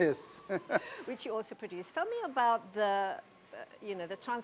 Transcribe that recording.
yang anda juga produksi beritahukan saya tentang